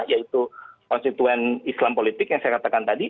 yaitu konstituen islam politik yang saya katakan tadi